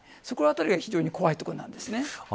そのあたりが非常に怖いところです。